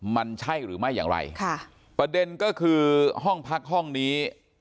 มันใช่หรือไม่อย่างไรค่ะประเด็นก็คือห้องพักห้องนี้